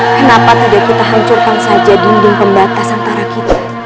kenapa tidak kita hancurkan saja dinding pembatas antara kita